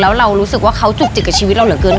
แล้วเรารู้สึกว่าเขาจุกจิกกับชีวิตเราเหลือเกิน